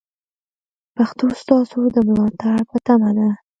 پښتو ستاسو د ملاتړ په تمه ده.